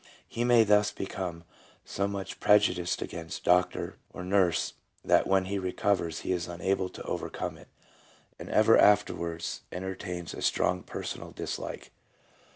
He may thus become so much prejudiced against doctor or nurse that when he recovers he is unable to overcome it, and ever afterwards entertains a strong personal dislike.